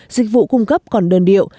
dịch vụ cung cấp còn đơn điệu